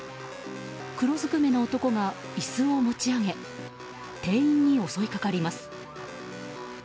黒ずくめの男が椅子を持ち上げ店員に襲いかかります。